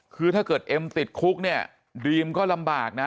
คือถ้าเกิดเอ็มติดคุกเนี่ยดีมก็ลำบากนะ